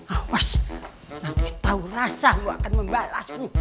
awas nanti tau rasamu akan membalasmu